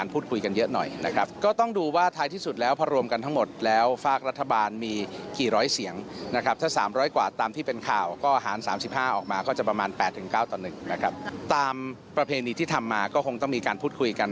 ตามประเพณีที่ทำมาก็คงต้องมีการพูดคุยกัน